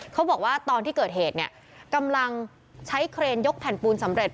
เขาบอกว่าตอนที่เกิดเหตุเนี่ยกำลังใช้เครนยกแผ่นปูนสำเร็จ